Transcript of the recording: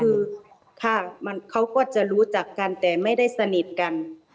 คือค่ะเขาก็จะรู้จักกันแต่ไม่ได้สนิทกัน